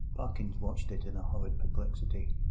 Parkins watched it in a horrid perplexity.